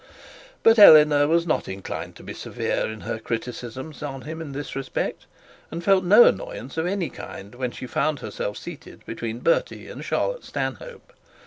But Eleanor was not inclined to be severe in her criticism on him in that respect, and felt no annoyance of any kind, when she found herself seated between Bertie and Charlotte Stanhope.